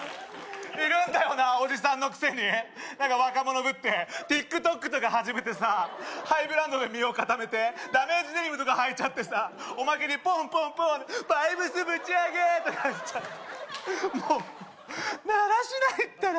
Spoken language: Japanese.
いるんだよなおじさんのくせに何か若者ぶってＴｉｋＴｏｋとか始めてさハイブランドで身を固めてダメージデニムとかはいちゃってさおまけにポンポンポンバイブスぶち上げとか言っちゃってもうだらしないったら